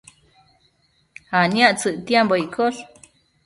aniactsëc ictiambo iccosh